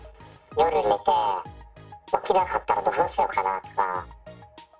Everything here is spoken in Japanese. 夜寝て、起きなかったら、どうしようかなとか。